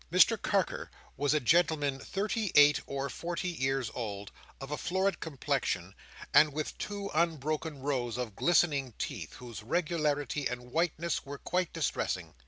Mr Carker was a gentleman thirty eight or forty years old, of a florid complexion, and with two unbroken rows of glistening teeth, whose regularity and whiteness were quite distressing.